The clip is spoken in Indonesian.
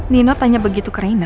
nino tanya begitu ke rina